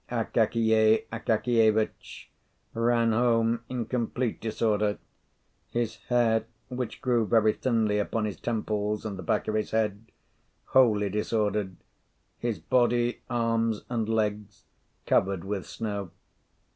Akakiy Akakievitch ran home in complete disorder; his hair, which grew very thinly upon his temples and the back of his head, wholly disordered; his body, arms, and legs covered with snow.